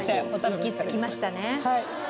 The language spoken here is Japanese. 行き着きましたね。